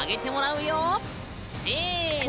せの！